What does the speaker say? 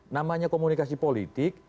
namanya komunikasi politik